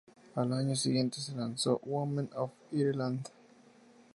Al año siguiente, se lanzó "Women of Ireland".